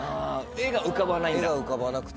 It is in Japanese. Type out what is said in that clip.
画が浮かばなくて。